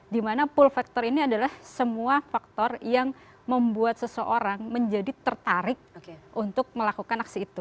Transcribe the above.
dimana pull factor ini adalah semua faktor yang membuat seseorang menjadi tertarik untuk melakukan aksi itu